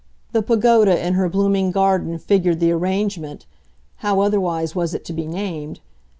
The pagoda in her blooming garden figured the arrangement how otherwise was it to be named?